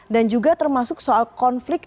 dan juga termasuk soal konflik